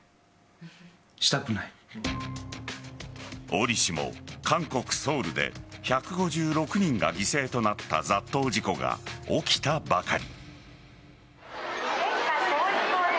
折しも、韓国・ソウルで１５６人が犠牲となった雑踏事故が起きたばかり。